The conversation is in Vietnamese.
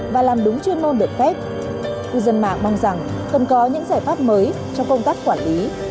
và làm đúng chuyên môn được phép cư dân mạng mong rằng cần có những giải pháp mới trong công tác quản lý